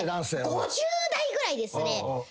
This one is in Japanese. ５０代ぐらいですね。